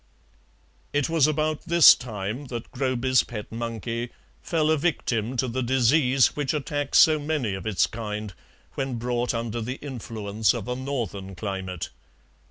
It was about this time that Groby's pet monkey fell a victim to the disease which attacks so many of its kind when brought under the influence of a northern climate.